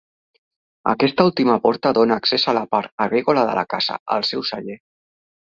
Aquesta última porta dóna accés a la part agrícola de la casa, al seu celler.